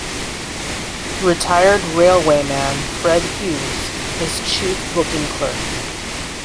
Retired railwayman Fred Hughes is Chief Booking Clerk.